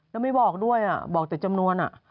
แล้วไม่บอกด้วยบอกแต่จำนวน